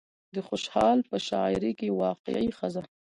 د خوشال په شاعرۍ کې واقعي ښځه